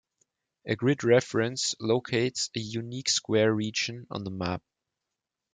A grid reference locates a unique square region on the map.